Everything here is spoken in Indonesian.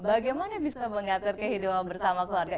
bagaimana bisa mengatur kehidupan bersama keluarga